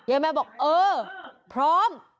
แม่บอกเออพร้อม